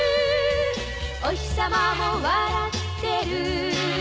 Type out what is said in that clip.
「おひさまも笑ってる」